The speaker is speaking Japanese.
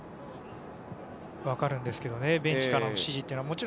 分かるんですけどねベンチからの指示は。